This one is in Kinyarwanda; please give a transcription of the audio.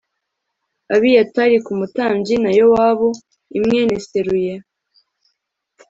Abiyatari k umutambyi na Yowabu l mwene Seruya